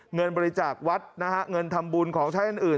เงินบริจาควัดนะฮะเงินทำบุญของใช้อื่น